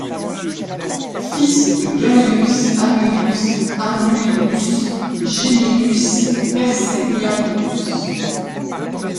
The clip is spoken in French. Fils de Gaius Annius Anullinus Geminus Percennianus.